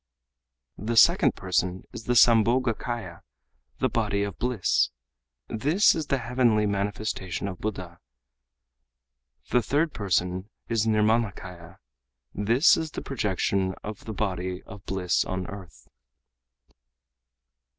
The second person is the Sambhogakâya, the body of bliss. This is the heavenly manifestation of Buddha. The third person is the Nirmânakâya. This is the projection of the body of bliss on earth."